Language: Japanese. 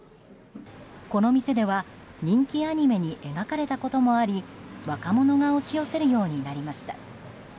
この店では人気アニメに描かれたこともあり若者が押し寄せるようになりました。